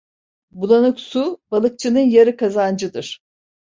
Bulanık su, balıkçının yarı kazancıdır.